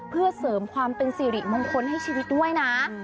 เพื่อเสริมความเป็นสิริมงคลให้ชีวิตด้วยนะ